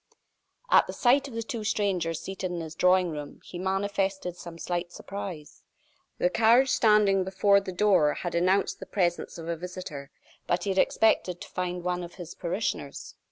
At the sight of the two strangers seated in his drawing room, he manifested some slight surprise. The carriage standing before the door had announced the presence of a visitor; but he had expected to find one of his parishioners.